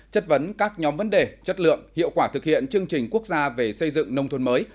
chất vấn các nhóm vấn đề chất lượng hiệu quả thực hiện chương trình quốc gia về xây dựng nông thôn mới